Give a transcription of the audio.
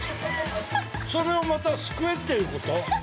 それをまたすくえっていうこと？